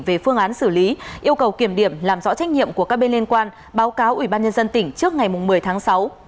về phương án xử lý yêu cầu kiểm điểm làm rõ trách nhiệm của các bên liên quan báo cáo ubnd tỉnh trước ngày một mươi tháng sáu